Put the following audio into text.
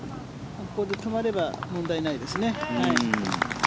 ここで止まれば問題ないですね。